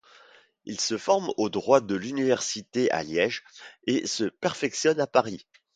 Il se forme au droit à l'Université de Liège et se perfectionne à Paris.